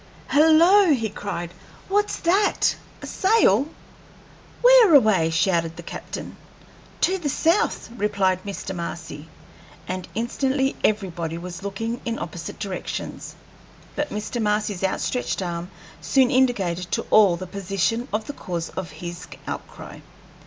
"Hello!" he cried. "What's that? A sail?" "Where away?" shouted the captain. "To the south," replied Mr. Marcy. And instantly everybody was looking in opposite directions. But Mr. Marcy's outstretched arm soon indicated to all the position of the cause of his outcry.